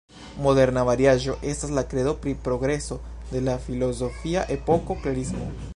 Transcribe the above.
Moderna variaĵo estas la kredo pri progreso de la filozofia epoko klerismo.